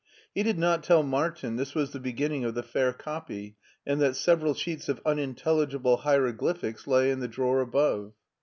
He did not tell Martin this was the beginning of the fair copy and that several sheets of unintelligible hiero gl)rphics lay in the drawer above.